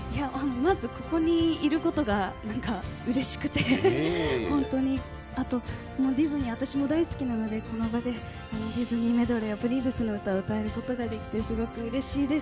まずここにいることが何かうれしくて、ディズニー、私も大好きなので、この場でディズニーメドレーを、プリンセスの歌を歌うことができてすごくうれしいです。